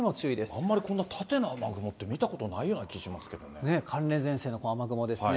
あんまりこんな縦の雨雲って見たことないような気がしますけ寒冷前線の雨雲ですね。